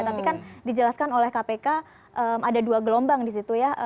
tapi kan dijelaskan oleh kpk ada dua gelombang di situ ya